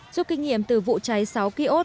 sau kinh nghiệm từ vụ cháy sáu ký ốt